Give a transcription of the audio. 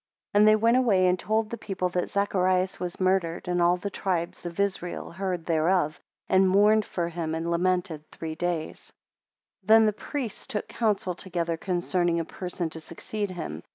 25 And they went away, and told the people, that Zacharias was murdered, and all the tribes of Israel heard thereof, and mourned for him, and lamented three days: 26 Then the priests took council together concerning a person to succeed him.